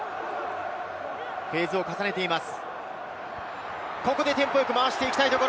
フェーズを重ねています。